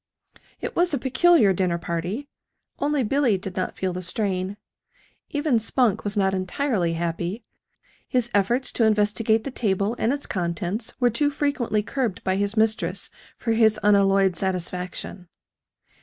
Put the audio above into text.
It was a peculiar dinner party. Only Billy did not feel the strain. Even Spunk was not entirely happy his efforts to investigate the table and its contents were too frequently curbed by his mistress for his unalloyed satisfaction.